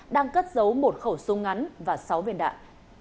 đang cất giấu một khẩu súng ngắn và sáu viên đạn